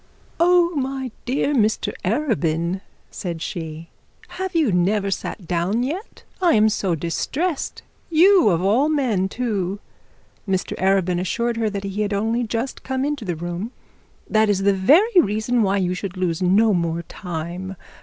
'Oh, my dear Mr Arabin,' said she, 'have you never sat down yet? I am so distressed. You of all men too.' Mr Arabin assured her that he had only just come into the room. 'That is the very reason why you should lose no more time.